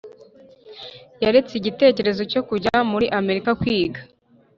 yaretse igitekerezo cyo kujya muri amerika kwiga.